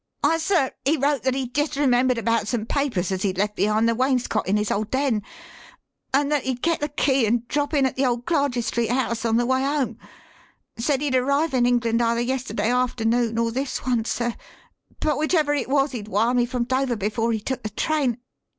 "Why, sir, he wrote that he'd jist remembered about some papers as he'd left behind the wainscot in his old den, and that he'd get the key and drop in at the old Clarges Street house on the way 'ome. Said he'd arrive in England either yesterday afternoon or this one, sir; but whichever it was, he'd wire me from Dover before he took the train.